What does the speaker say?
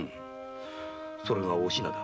それがお品だ。